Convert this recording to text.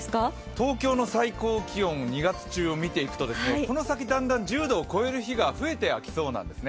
東京の最高気温、２月中を見ていくとこの先、だんだん１０度を超える日が増えてはきそうなんですね。